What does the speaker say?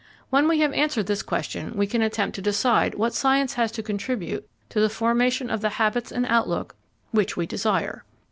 When we have answered this question we can attempt to decide what science has to contribute to the formation of the habits and outlook which we desire.